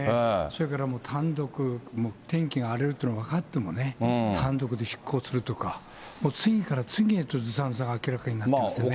それからもう単独、天気が荒れるって分かっても、単独で出航するとか、次から次へとずさんさが明らかになってますよね。